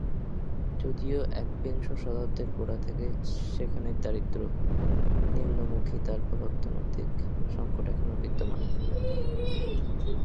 যদিও একবিংশ শতাব্দির গোড়া থেকে সেখানে দারিদ্র্য নিম্নমুখী, তারপরও অর্থনৈতিক সংকট এখনো বিদ্যমান।